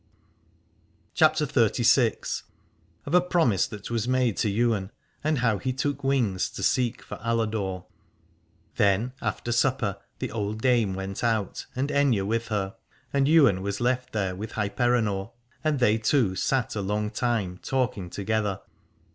223 CHAPTER XXXVI. OF A PROMISE THAT WAS MADE TO YWAIN, AND HOW HE TOOK WINGS TO SEEK FOR ALADORE. Then after supper the old dame went out, and Aithne with her, and Ywain was left there with Hyperenor, and they two sat a long time talking together.